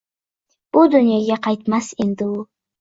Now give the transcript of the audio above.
“Bu dunyoga qaytmas endi u!”